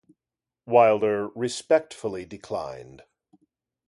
Wilder respectfully declined.